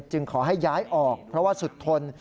จึงขอให้ย้ายออกเพราะว่าสุดทน